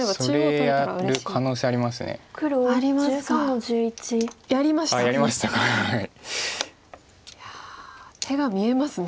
いや手が見えますね。